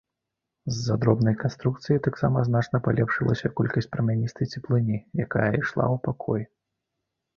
З-за дробнай канструкцыі таксама значна палепшылася колькасць прамяністай цеплыні, якая ішла ў пакой.